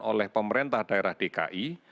oleh pemerintah daerah dki